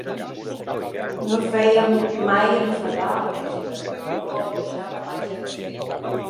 No feia mai enfadar al mestre, però no el deixava mai satisfet